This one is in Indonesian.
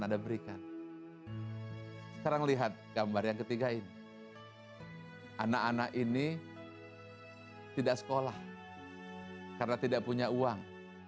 ada berikan sekarang lihat gambar yang ketiga ini anak anak ini tidak sekolah karena tidak punya uang